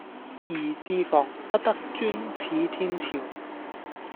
宜自防，不得專恃天朝